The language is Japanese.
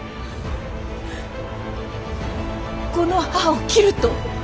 この母を斬ると。